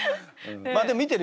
まあでも見てる見てる。